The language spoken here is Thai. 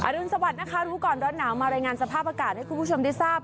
รุนสวัสดิ์นะคะรู้ก่อนร้อนหนาวมารายงานสภาพอากาศให้คุณผู้ชมได้ทราบ